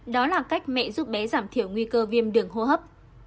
đó là cách mẹ giúp bé giảm thiểu nguy cơ viêm đường hô hấp